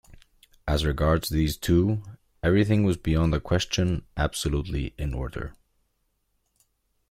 As regards these two, everything was beyond a question absolutely in order.